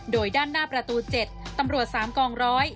โดยด้านหน้าประตู๗ตำรวจ๓กองร้อย